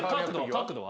角度は？